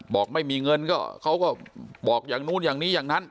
บอกไม่มีเงินก็เขาก็บอกอย่างนู้นอย่างนี้อย่างนั้น